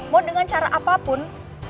mau dengan cara apapun